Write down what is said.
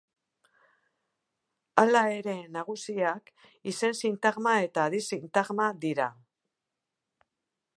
Hala ere, nagusiak izen-sintagma eta aditz-sintagma dira.